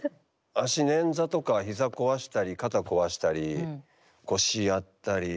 足捻挫とか膝壊したり肩壊したり腰やったりほとんど全て。